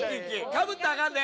かぶったらアカンで！